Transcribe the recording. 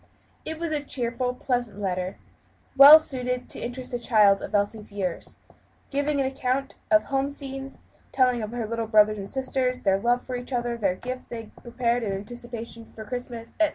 It was a cheerful, pleasant letter, well suited to interest a child of Elsie's years; giving an account of home scenes; telling of her little brothers and sisters, their love for each other; the little gifts they had prepared in anticipation of Christmas, etc.